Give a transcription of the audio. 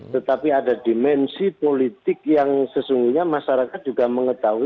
tetapi ada dimensi politik yang sesungguhnya masyarakat juga mengetahui